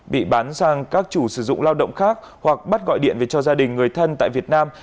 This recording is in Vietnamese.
bị bán sang các chủ sử dụng lao động khác hoặc bắt gọi điện về cho gia đình người thân tại việt nam